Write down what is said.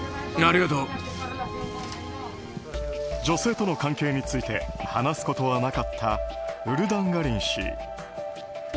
女性との関係について話すことはなかったウルダンガリン氏。